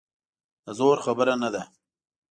د زور خبره نه ده.